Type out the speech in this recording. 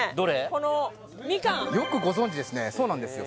このみかんよくご存じですねそうなんですよ